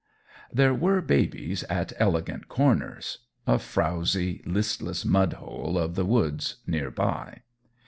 There were babies at Elegant Corners a frowzy, listless mud hole of the woods, near by.